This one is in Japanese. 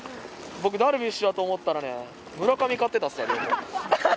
僕、ダルビッシュだと思ったらね、村上買ってたっすわ、両方。